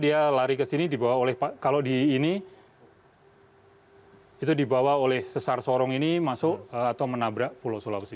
dia lari ke sini dibawa oleh kalau di ini itu dibawa oleh sesar sorong ini masuk atau menabrak pulau sulawesi